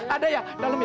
ada ya dalem ya